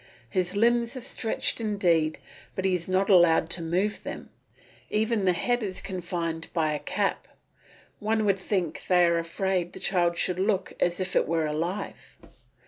His limbs are stretched indeed, but he is not allowed to move them. Even the head is confined by a cap. One would think they were afraid the child should look as if it were alive.